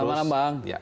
selamat malam bang